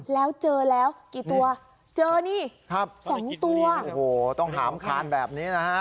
แล้วเจอแล้วกี่ตัวเจอนี่ครับสองตัวโอ้โหต้องหามคานแบบนี้นะฮะ